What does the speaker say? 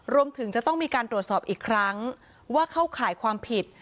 รวมถึงจะต้องมีการตรวจสอบอีกครั้งว่าเข้าข่ายความผิด